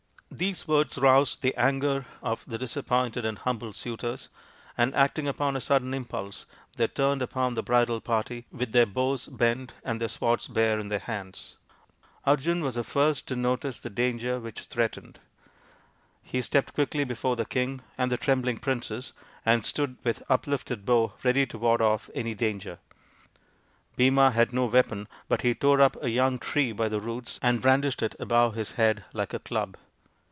" These words roused the anger of the disappointed and humbled suitors, and, acting upon a sudden impulse, they turned upon the bridal party with their bows bent and their swords bare in their hands. Arjun was the first to notice the danger which threatened. He stepped quickly before the king and the trembling princess, and stood with uplifted bow ready to ward off any danger. Bhima had no F 82 THE INDIAN STORY BOOK weapon, but he tore up a young tree by the roots and brandished it above his head like a club.